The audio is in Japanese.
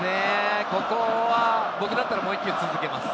僕だったらもう一球続けます。